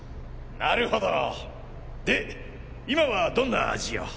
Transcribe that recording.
なるほど！で今はどんな味を？